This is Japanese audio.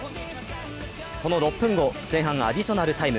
その６分後、前半のアディショナルタイム。